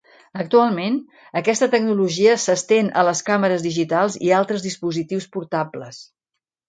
Actualment, aquesta tecnologia s'estén a les càmeres digitals i altres dispositius portables.